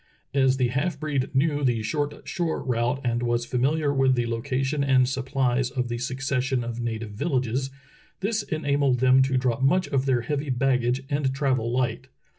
As the half breed knew the short shore route and was famihar with the location and supplies of the succession of native villages, this enabled them to drop much of their heavy baggage and travel light.